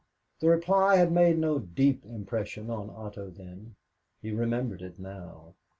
The reply had made no deep impression on Otto then. He remembered it now.